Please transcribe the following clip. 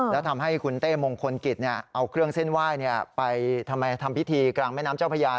แล้วทำให้คุณเต้มงคลกิจเอาเครื่องเส้นไหว้ไปทำพิธีกลางแม่น้ำเจ้าพญา